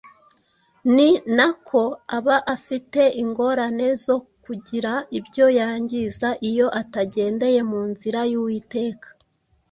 ni nako aba afite ingorane zo kugira ibyo yangiza iyo atagendeye mu nzira y’Uwiteka